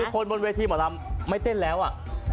คนบนเวทีหมอลำไม่เต้นแล้วอ่ะ